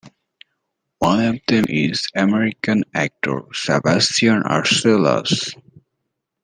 One of them is American actor Sebastian Arcelus.